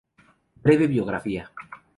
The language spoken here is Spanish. Breve biografía